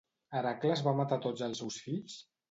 Heracles va matar tots els seus fills?